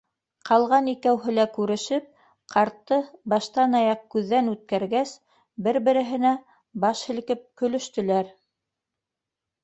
Ҡалған икәүһе лә күрешеп, ҡартты баштан-аяҡ күҙҙән үткәргәс, бер-береһенә баш һелкеп көлөштөләр: